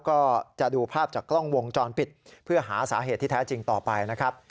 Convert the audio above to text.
ก็จะดูภาพจากกล้องวงจรปิดเพื่อหาสาเหตุที่แท้จริงต่อไปนะครับ